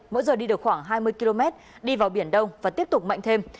mỗi giờ đi được khoảng hai mươi km đi vào biển đông và tiếp tục mạnh thêm